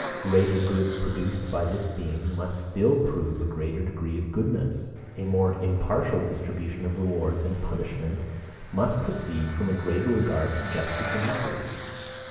Greater good produced by this Being must still prove a greater degree of goodness: a more impartial distribution of rewards and punishments must proceed from a greater regard to justice and equity.